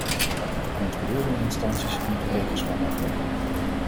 De controlerende instanties moeten rekenschap afleggen.